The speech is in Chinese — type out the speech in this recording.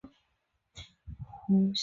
吉林大学法学院毕业。